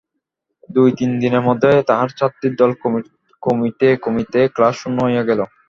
দুই-তিন দিনের মধ্যেই তাহার ছাত্রীর দল কমিতে কমিতে ক্লাস শূন্য হইয়া গেল।